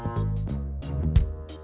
padahal enak terjo naos